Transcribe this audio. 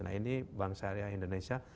nah ini bank syariah indonesia